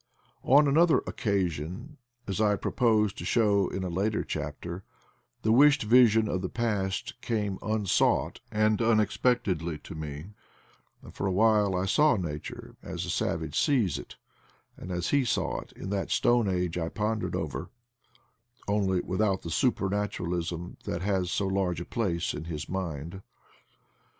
On another occa sion, as I propose to show in a later chapter, the wished vision of the past came unsought and un expectedly to me, and for a while I saw nature as the savage sees it, and as he saw it in that stone age I pondered over, only without the super naturalism that has so large a place in his mind.